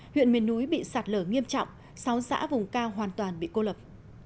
huyện miền núi bị sạt lở nghiêm trọng sáu xã vùng cao hoàn toàn bị cô lập